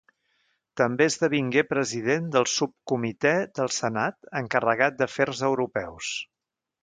També esdevingué president del subcomitè del Senat encarregat d'Afers Europeus.